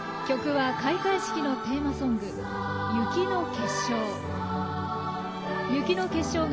曲は開会式のテーマソング「雪の結晶」。